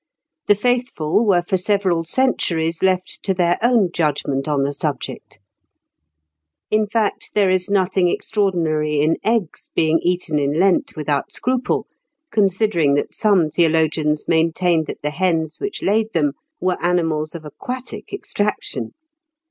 The faithful were for several centuries left to their own judgment on the subject. In fact, there is nothing extraordinary in eggs being eaten in Lent without scruple, considering that some theologians maintained that the hens which laid them were animals of aquatic extraction.